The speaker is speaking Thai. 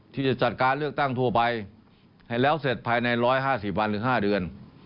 ที่จะจัดการเลือกตั้งทั่วไปให้แล้วเสร็จภายใน๑๕๐วันหรือ๕เดือน